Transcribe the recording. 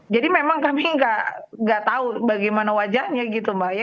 jadi memang kami nggak tahu bagaimana wajahnya gitu mbak